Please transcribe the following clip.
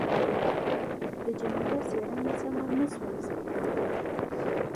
د جميله څېره مې سمه نه شوای صحیح کولای.